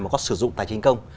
mà có sử dụng tài chính công